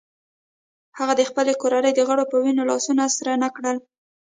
هغه د خپلې کورنۍ د غړو په وینو لاسونه سره نه کړل.